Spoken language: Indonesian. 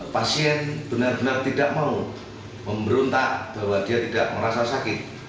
pasien benar benar tidak mau memberontak bahwa dia tidak merasa sakit